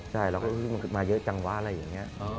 ใช่เราก็มันมาเยอะจังวะอะไรอย่างนี้